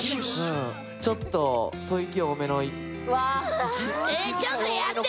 ちょっと吐息多めの。